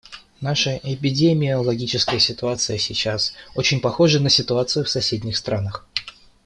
Наша эпидемиологическая ситуация сейчас очень похожа на ситуацию в соседних странах.